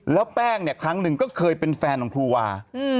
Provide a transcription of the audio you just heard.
แล้วแป้งเนี่ยครั้งหนึ่งก็เคยเป็นแฟนของครูวา